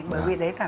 bởi vì đấy là